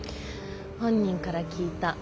本人から聞いた。